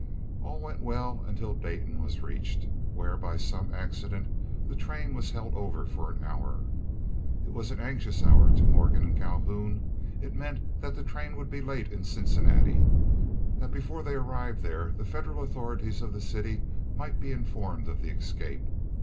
All went well until Dayton was reached, where by some accident the train was held over an hour. It was an anxious hour to Morgan and Calhoun. It meant that the train would be late in Cincinnati, that before they arrived there the Federal authorities of the city might be informed of the escape.